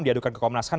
diadukan ke komnas ham